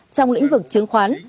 trong lĩnh vực chứng khoán